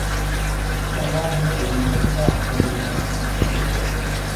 Saŋgamɔ aa ɗe mɛnyɔgi saa tembi nyagŋgɔ.